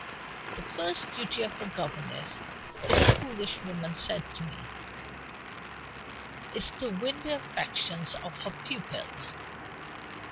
'The first duty of a governess' (this foolish woman said to me) 'is to win the affections of her pupils.